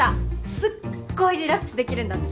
すっごいリラックスできるんだって。